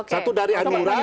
satu dari anura